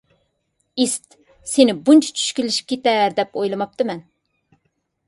ئىسىت، سېنى بۇنچە چۈشكۈنلىشىپ كېتەر دەپ ئويلىماپتىمەن.